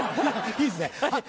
いいですねはい！